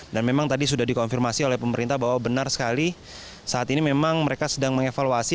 dan memang tadi sudah dikonfirmasi oleh pemerintah bahwa benar sekali saat ini memang mereka sedang mengevaluasi